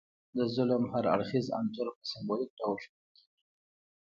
د ظلم هر اړخیز انځور په سمبولیک ډول ښودل کیږي.